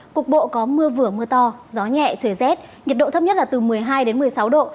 cục bộ có mưa vừa mưa to gió nhẹ trời rét nhiệt độ thấp nhất là từ một mươi hai đến một mươi sáu độ